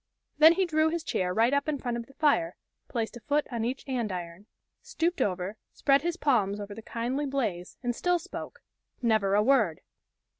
Then he drew his chair right up in front of the fire, placed a foot on each andiron, stooped over, spread his palms over the kindly blaze, and still spoke never a word!